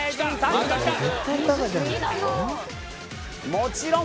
もちろん。